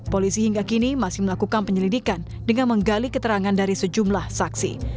polisi hingga kini masih melakukan penyelidikan dengan menggali keterangan dari sejumlah saksi